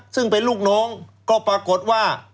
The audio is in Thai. ซึ่งเป็นลูกน้องก็ปรากฏว่า